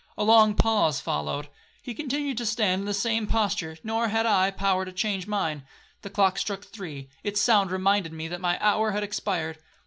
A long pause followed. He continued to stand in the same posture, nor had I power to change mine. The clock struck three, its sound reminded me that my hour had expired.